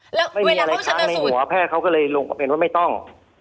แล้วเวลาเข้าชันสูตรไม่มีอะไรทางในหัวแพทย์เขาก็เลยลงประเภทว่าไม่ต้อง